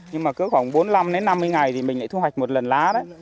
nhưng mà cứ khoảng bốn mươi năm đến năm mươi ngày thì mình lại thu hoạch một lần lá đấy